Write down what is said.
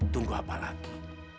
tunggu apa lagi